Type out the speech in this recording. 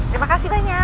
terima kasih banyak